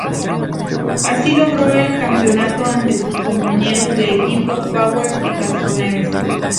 Así, logró el campeonato ante sus compañeros de equipo Power y Castroneves.